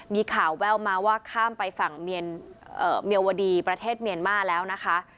มีข่าวแววมาว่าข้ามไปฝั่งเมียวดีประเทศเมียนมาแล้วนะคะ